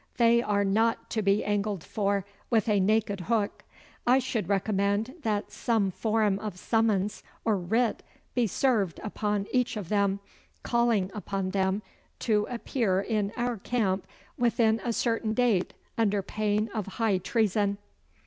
They are not to be angled for with a naked hook. I should recommend that some form of summons or writ be served upon each of them, calling upon them to appear in our camp within a certain date under pain of high treason.